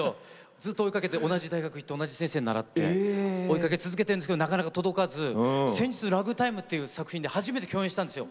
ずっと追いかけて同じ大学行って同じ先生に習って追いかけ続けてるんですけどなかなか届かず先日「ラグタイム」という作品で初めて共演したんですよ。